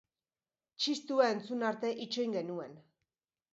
Txistua entzun arte itxoin genuen.